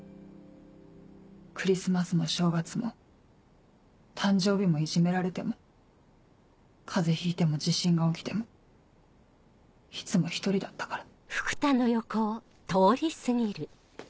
クリスマスも正月も誕生日もいじめられても風邪ひいても地震が起きてもいつも一人だったから。